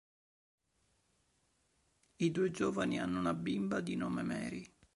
I due giovani hanno una bimba di nome Mary.